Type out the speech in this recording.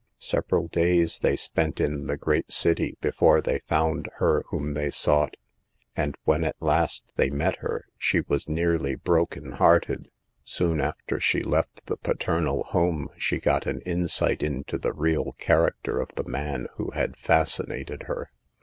Several days they spent in the great city be fore they found her whom they sought, and when at last they met her, she was nearly heart broken. Soon after she left the paternal home she got an insight into the real character of the man who had fascinated her.